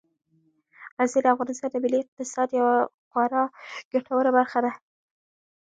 غزني د افغانستان د ملي اقتصاد یوه خورا ګټوره برخه ده.